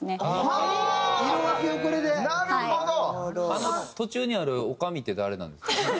あの途中にある「おかみ」って誰なんですか？